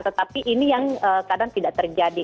tetapi ini yang kadang tidak terjadi